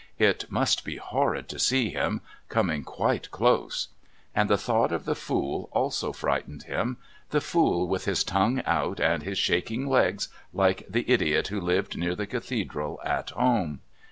"It must be horrid to see him coming quite close." And the thought of the Fool also frightened him. The Fool with his tongue out and his shaking legs, like the idiot who lived near the Cathedral at home.